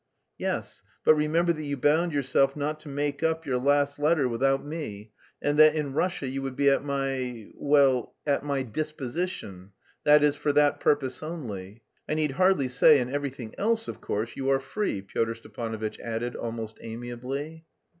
"Yes, but remember that you bound yourself not to make up your last letter without me and that in Russia you would be at my... well, at my disposition, that is for that purpose only. I need hardly say, in everything else, of course, you are free," Pyotr Stepanovitch added almost amiably.